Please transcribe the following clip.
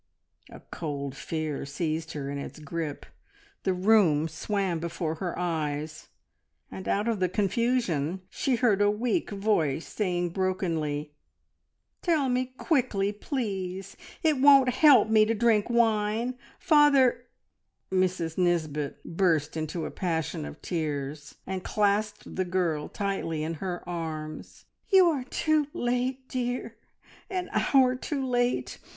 A cold fear seized her in its grip, the room swam before her eyes, and out of the confusion she heard a weak voice saying brokenly, "Tell me quickly, please! It won't help me to drink wine. Father " Mrs Nisbet burst into a passion of tears, and clasped the girl tightly in her arms. "You are too late, dear. An hour too late!